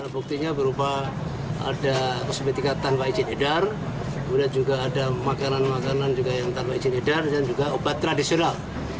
buktinya berupa ada kosmetika tanpa izin edar makanan makanan tanpa izin edar dan juga obat tradisional